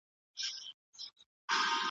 جان سبت د څېړني علمي میتودونه روښانه کړل.